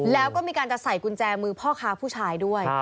แล้วก็มีการจะใส่กุญแจมือพ่อค้าผู้ชายด้วย